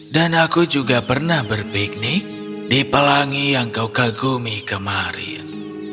dan aku juga pernah berpiknik di pelangi yang kau kagumi kemarin